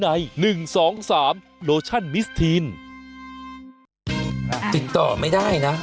เดี๋ยวช่วงหน้ากลับมาเดี๋ยวเขาไปสินความแป๊บหนึ่งก่อน